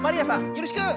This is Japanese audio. よろしく！